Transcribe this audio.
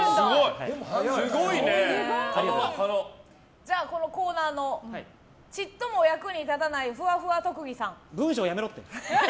じゃあ、このコーナーのちっとも役に立たない文章やめろって。